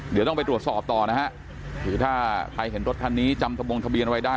เดี๋ยวต้องไปตรวจสอบต่อนะฮะคือถ้าใครเห็นรถคันนี้จำทะบงทะเบียนไว้ได้